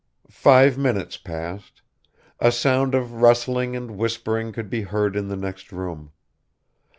Five minutes passed; a sound of rustling and whispering could be heard in the next room.